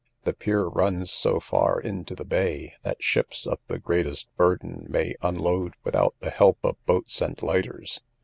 The pier runs so far into the bay, that ships of the greatest burden may unload without the help of boats and lighters.